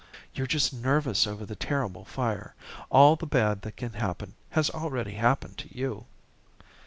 "You're just nervous over the terrible fire. All the bad that can happen has already happened to you."